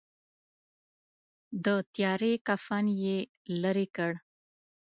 د تیارې کفن یې لیري کړ.